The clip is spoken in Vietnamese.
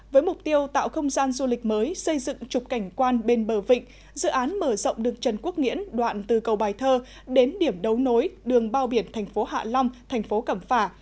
với mục tiêu tạo không gian du lịch mới xây dựng trục cảnh quan bên bờ vịnh dự án mở rộng đường trần quốc nghĩễn đoạn từ cầu bài thơ đến điểm đấu nối đường bao biển thành phố hạ long thành phố cẩm phả